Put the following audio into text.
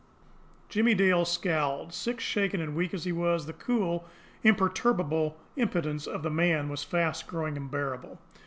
Jimmie Dale scowled. Sick, shaken, and weak as he was, the cool, imperturbable impudence of the man was fast growing unbearable.